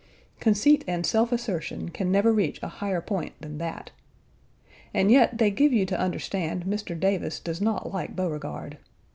Conceit and self assertion can never reach a higher point than that. And yet they give Page 100 you to understand Mr. Davis does not like Beauregard.